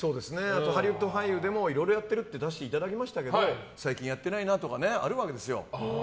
ハリウッド俳優でもいろいろ出させていただきましたけど最近やってないなとかあるわけですよ。